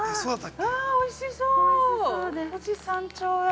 ◆おいしそう。